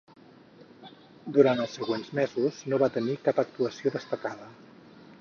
Durant els següents mesos no va tenir cap actuació destacada.